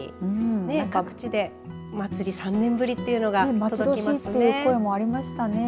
各地でお祭り３年ぶりというのが待ち遠しいという声もありましたね。